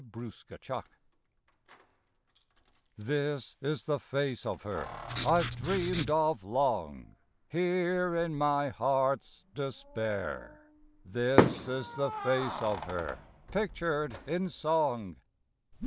PICTURED This is the face of her I've dreamed of long; Here in my heart's despair, This is the face of her Pictured in song.